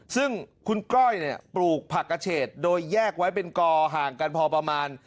ซึ่งคุณก้อยปลูกผักกระเฉดโดยแยกไว้เป็นกอห่างกันพอประมาณ